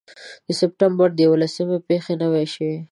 د سپټمبر د یوولسمې پېښه نه وای شوې.